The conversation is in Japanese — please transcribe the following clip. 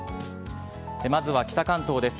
まずは北関東です。